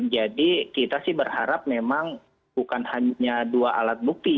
jadi kita sih berharap memang bukan hanya dua alat bukti